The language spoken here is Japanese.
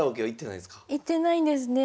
行ってないんですね。